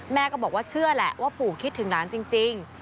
แม่ก็บอกว่าเชื่อแหละว่าปู่คิดถึงหลานจริง